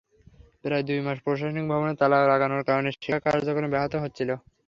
প্রায় দুই মাস প্রশাসনিক ভবনে তালা লাগানোর কারণে শিক্ষা কার্যক্রম ব্যাহত হচ্ছিল।